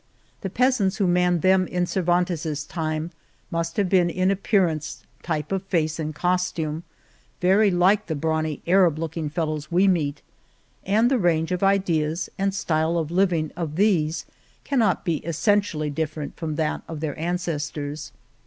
The peas ants who manned them in Cervantes's time must have been in appearance, type of face and costume, very like the brawny Arab looking fellows we meet, and the range of ideas and style of living of these cannot be essentially different from that of their ances tors.